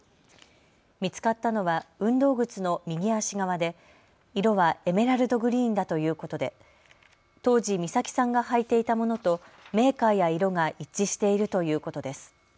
見つかったのは運動靴の右足側で色はエメラルドグリーンだということで当時、美咲さんが履いていたものとメーカーや色が一致しているということです。